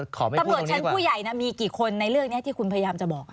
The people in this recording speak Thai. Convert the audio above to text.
ตำรวจชั้นผู้ใหญ่มีกี่คนในเรื่องนี้ที่คุณพยายามจะบอก